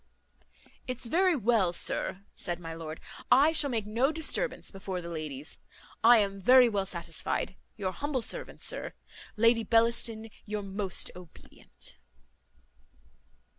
"It's very well, sir," said my lord, "I shall make no disturbance before the ladies. I am very well satisfied. Your humble servant, sir; Lady Bellaston, your most obedient."